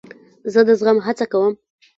زه د زغم هڅه کوم.